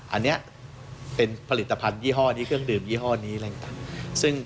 อันนี้เป็นผลิตภัณฑ์ยี่ห้อนี้เครื่องดื่มยี่ห้อนี้อะไรต่าง